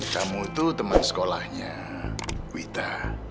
kamu itu teman sekolahnya wita